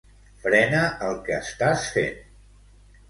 Frena el que estàs fent.